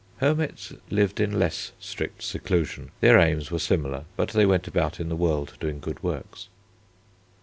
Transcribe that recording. Hermits lived in less strict seclusion. Their aims were similar, but they went about in the world doing good works.